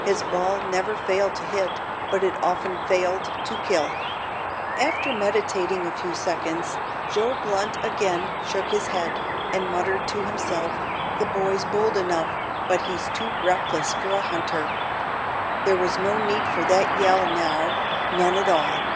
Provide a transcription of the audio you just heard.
His ball never failed to hit, but it often failed to kill. After meditating a few seconds, Joe Blunt again shook his head, and muttered to himself, "The boy's bold enough, but he's too reckless for a hunter. There was no need for that yell, now none at all."